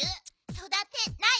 そだてない？